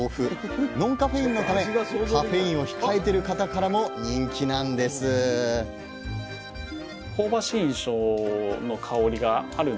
ノンカフェインのためカフェインを控えてる方からも人気なんですさあ